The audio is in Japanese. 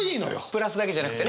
プラスだけじゃなくてね！